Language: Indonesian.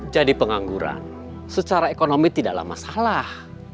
jadi pengangguran secara ekonomi tidaklah masalah